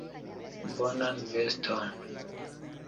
Bonan veston.